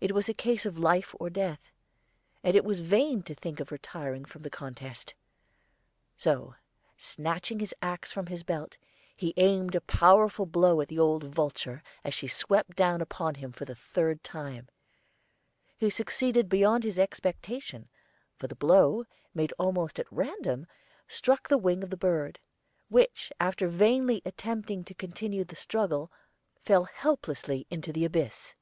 It was a case of life or death, and it was vain to think of retiring from the contest. So, snatching his axe from his belt, he aimed a powerful blow at the old vulture as she swept down upon him for the third time. He succeeded beyond his expectation, for the blow, made almost at random, struck the wing of the bird, which, after vainly attempting to continue the struggle, fell helplessly into the abyss.